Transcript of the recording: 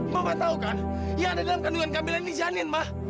mama tahu kan yang ada dalam kandungan kamila ini janin ma